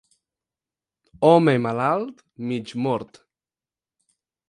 Home malalt, mig mort.